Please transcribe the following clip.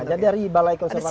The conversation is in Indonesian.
ya dari balai konservasi